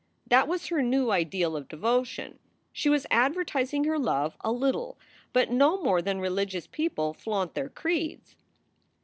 That was her new ideal of devotion. She was advertising her love a little, but no more than religious people flaunt their creeds.